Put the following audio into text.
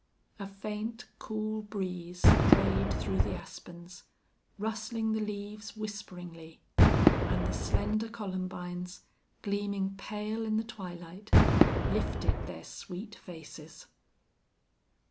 A faint, cool breeze strayed through the aspens, rustling the leaves whisperingly, and the slender columbines, gleaming pale in the twilight, lifted their sweet faces.